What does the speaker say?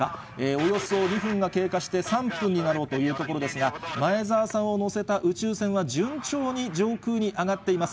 およそ２分が経過して３分になろうというところですが、前澤さんを乗せた宇宙船は順調に上空に上がっています。